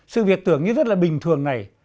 sự việc tưởng như rất là bình thường này